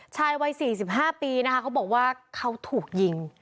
ชายวัย๔๕ปีนะคะเขาบอกว่าเขาถูกยิง